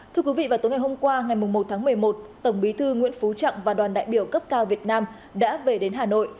thưa quý vị vào tối ngày hôm qua ngày một tháng một mươi một tổng bí thư nguyễn phú trọng và đoàn đại biểu cấp cao việt nam đã về đến hà nội